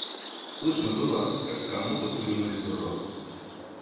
Слышно было, как кому-то плюнули в рот.